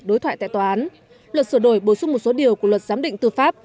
đối thoại tại tòa án luật sửa đổi bổ sung một số điều của luật giám định tư pháp